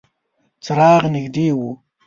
څراغ نږدې و.